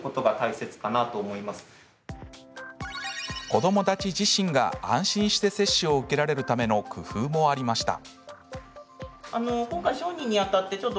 子どもたち自身が安心して接種を受けられるための工夫もありました。